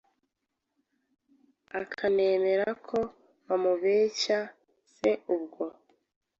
akanemera ko bamubeshya se ubwo